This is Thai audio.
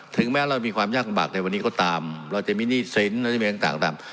ถึงแม้เรามีความยากลำบากในวันนี้ก็ตามเราจะมีหนี้เซ็นต์เราจะมีต่างตาม